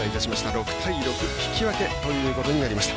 ６対６引き分けということになりました。